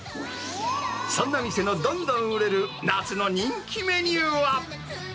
そんな店のどんどん売れる夏の人気メニューは。